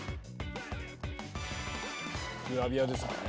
グラビアですもんね